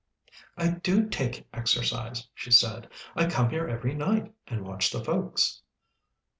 "I do take exercise," she said. "I come here every night, and watch the folks."